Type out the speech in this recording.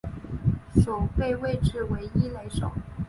守备位置为一垒手。